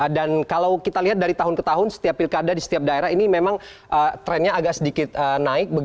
dan kalau kita lihat dari tahun ke tahun setiap pilkada di setiap daerah ini memang trennya agak sedikit naik